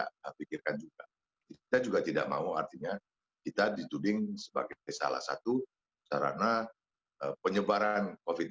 kansirkan juga juga tidak mau artinya kita ditinggalkan sebagai p proper satu sarana penyebaran